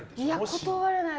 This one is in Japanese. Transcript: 断れない。